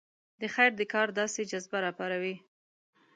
د خیر د کار داسې جذبه راپاروي.